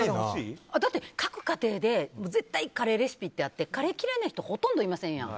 だって、各家庭で絶対カレーレシピってあってカレー嫌いな人ほとんどいませんやん。